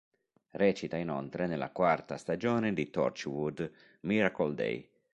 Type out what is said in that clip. Recita inoltre nella quarta stagione di Torchwood: Miracle Day.